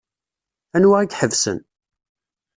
Anwa i iḥebsen?